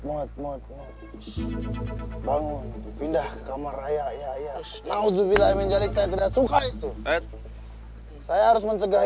bangun pindah ke kamar raya ya naudzubillah imenjalik saya tidak suka itu saya harus mencegah